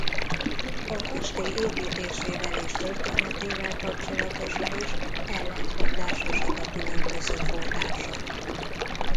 A kastély építésével és történetével kapcsolatosan is ellentmondásosak a különböző források.